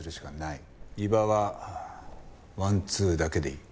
伊庭はワンツーだけでいい。